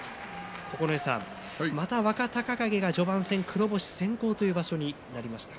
九重さん、また若隆景が序盤戦黒星先行という場所になりました。